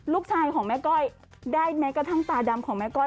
ลูกชายของแม่ก้อยได้แม้กระทั่งตาดำของแม่ก้อย